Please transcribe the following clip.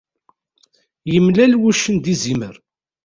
Yemlal wuccen d izimer.